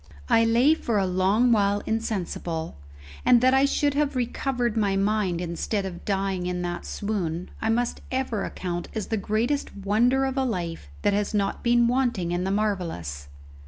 I lay for a long while insensible; and that I should have recovered my mind instead of dying in that swoon I must ever account as the greatest wonder of a life that has not been wanting in the marvellous.